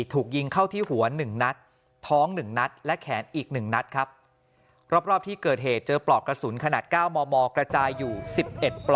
ถูกยิงเข้าที่หัว๑นัดท้อง๑นัดและแขนอีก๑นัดครับ